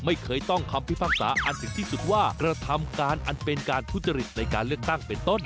ไม่เคยต้องคำพิพากษาอันถึงที่สุดว่ากระทำการอันเป็นการทุจริตในการเลือกตั้งเป็นต้น